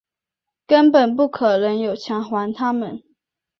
根本不可能有钱还他们